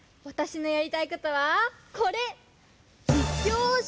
わたしのやりたいことはこれ！